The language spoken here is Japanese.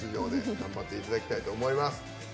頑張っていただきたいと思います。